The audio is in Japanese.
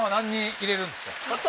入れるんですか？